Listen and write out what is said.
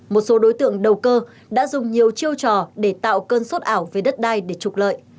một số đối tượng đầu cơ đã dùng nhiều chiêu trò để tạo cơn sốt ảo về đất đai để trục lợi